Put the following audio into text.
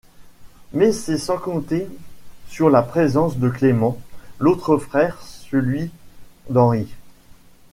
Mais c'est sans compter sur la présence de Clément, l'autre frère, celui d'Henri.